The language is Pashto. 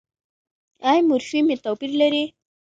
ایا مورفیم يې توپیر لري؟